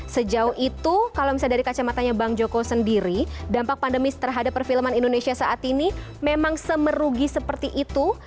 sejauh itu kalau misalnya dari kacamatanya bang joko sendiri dampak pandemi terhadap perfilman indonesia saat ini memang semerugi seperti itu